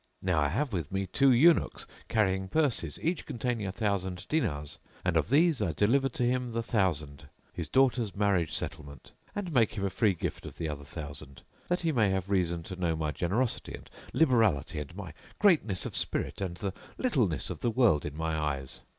Now I have with me two eunuchs carrying purses, each containing a thousand dinars; and of these I deliver to him the thousand, his daughter's marriage settlement, and make him a free gift of the other thousand, that he may have reason to know my generosity and liberality and my greatness of spirit and the littleness of the world in my eyes.